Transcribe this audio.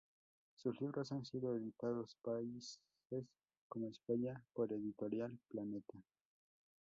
Sus libros han sido editados países como España por Editorial Planeta.